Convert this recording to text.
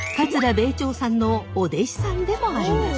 米朝さんのお弟子さんでもあります。